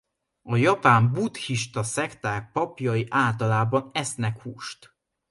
A japán buddhista szekták papjai általában esznek húst.